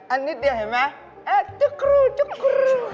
อันนี้เห็นไหมแอ๊ะจุ๊กรูรจุ๊กรูร